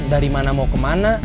dari mana mau kemana